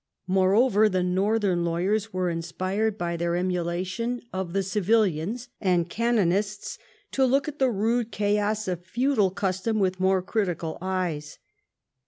Moreover, the northern lawyers were inspired by their emulation of the civilians and canonists to look at the rude chaos of feudal custom with more critical eyes.